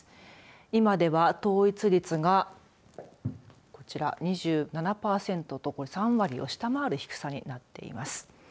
今では統一率がこちら２７パーセントと３割を下回る低さになっています。